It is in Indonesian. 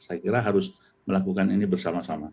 saya kira harus melakukan ini bersama sama